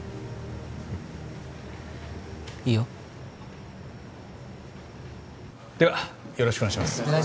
うんいいよではよろしくお願いします